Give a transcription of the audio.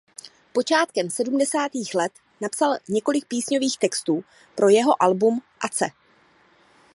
Počátkem sedmdesátých let napsal několik písňových textů pro jeho album "Ace".